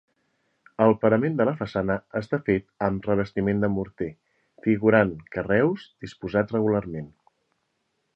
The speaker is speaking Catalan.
El parament de la façana està fet amb revestiment de morter, figurant carreus disposats regularment.